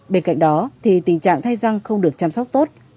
bên cạnh đó thì tình trạng thay răng không được chăm sóc tốt